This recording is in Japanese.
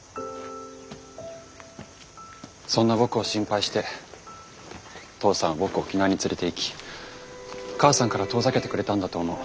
そんな僕を心配して父さんは僕を沖縄に連れていき母さんから遠ざけてくれたんだと思う。